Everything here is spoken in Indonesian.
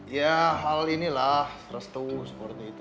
ya hal inilah restu seperti itu